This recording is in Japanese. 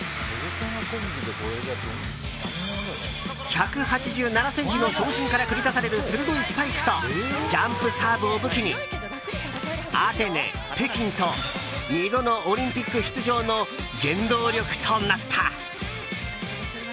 １８７ｃｍの長身から繰り出される鋭いスパイクとジャンプサーブを武器にアテネ、北京と２度のオリンピック出場の原動力となった。